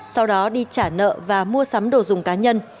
sau đó đi trả nợ và mua sắm đồ dùng cá nhân